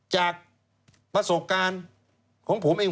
จากประสบการณ์ของผมเอง